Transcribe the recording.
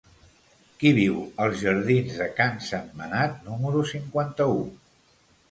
Qui viu als jardins de Can Sentmenat número cinquanta-u?